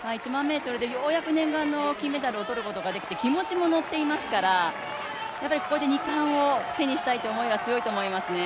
１００００ｍでようやく念願の金メダルをとることができて気持ちも乗っていますから、ここで２冠を手にしたいという思いが強いと思いますね。